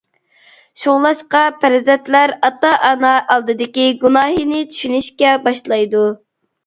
شۇڭلاشقا پەرزەنتلەر ئاتا-ئانا ئالدىدىكى گۇناھىنى چۈشىنىشكە باشلايدۇ.